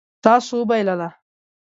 تاسو وبایلله